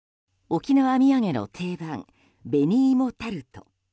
沖縄土産の定番紅いもタルト。